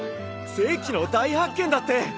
世紀の大発見だって！